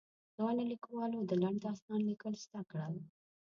ځوانو ليکوالو د لنډ داستان ليکل زده کړل.